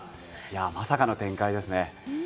まさかの展開ですね。